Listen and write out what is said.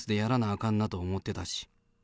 あかんなと思ってたし。